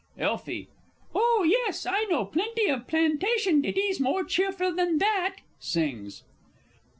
Elfie. Oh, yes, I know plenty of plantation ditties more cheerful than that. (_Sings.